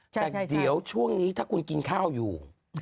แต่เดี๋ยวช่วงนี้ถ้าคุณกินข้าวอยู่